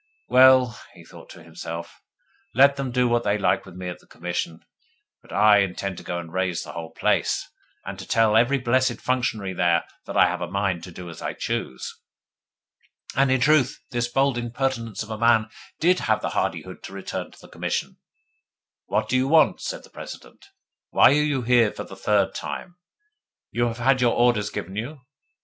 'Well,' he thought to himself, 'let them do what they like with me at the Commission, but I intend to go and raise the whole place, and to tell every blessed functionary there that I have a mind to do as I choose.' And in truth this bold impertinence of a man did have the hardihood to return to the Commission. 'What do you want?' said the President. 'Why are you here for the third time? You have had your orders given you.